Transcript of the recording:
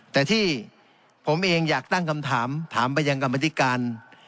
แต่ที่ผมเองอยากตั้งคำถามถามไปยังกรรมธิการ